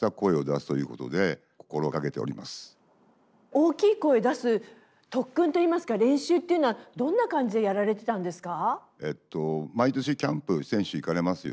大きい声出す特訓といいますか練習っていうのはどんな感じでやられてたんですか？